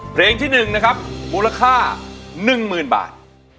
เพลงที่๑นะครับมูลค่า๑๐๐๐บาท